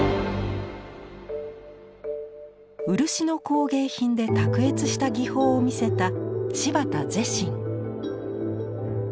漆の工芸品で卓越した技法を見せた柴田是真。